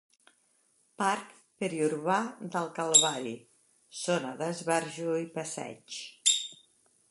Parc periurbà del Calvari, zona d'esbarjo i passeig.